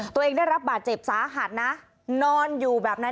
ตัวเองได้รับบาดเจ็บสาหัสนะนอนอยู่แบบนั้น